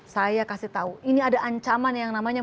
saya kasih tahu ini ada ancaman yang namanya